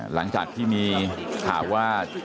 หลังจากที่มีข่าวว่า